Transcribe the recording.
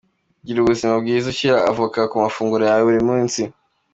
Gira ubuzima bwiza ushyira avoka ku mafunguro yawe ya buri munsi.